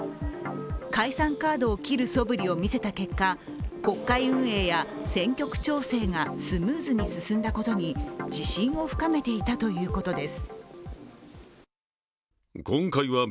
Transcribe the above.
解散カードを切るそぶりを見せた結果国会運営や選挙区調整がスムーズに進んだことに自信を深めていたということです。